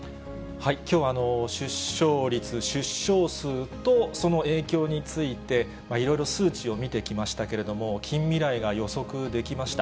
きょうは出生率、出生数とその影響について、いろいろ数値を見てきましたけれども、近未来が予測できました。